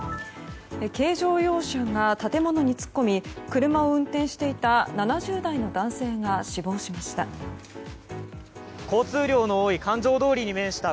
軽乗用車が建物に突っ込み車を運転していた７０代の男性が死亡しました。